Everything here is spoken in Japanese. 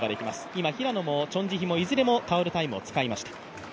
今、平野もチョン・ジヒもいずれもタオルタイムを取りました。